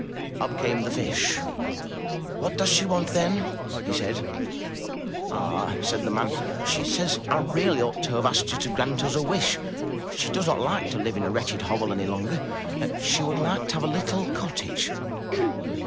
Up came the fish. "What does she want, then?" he said. 192 UP ONE PAIR OF STAIRS '*Ah!'* said the man, *'She says I really ought to have asked you to grant us a wish. She does not like to live in a wretched hovel any longer. She would like to have a little cottage.